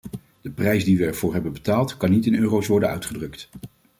De prijs die wij ervoor hebben betaald, kan niet in euro’s worden uitgedrukt.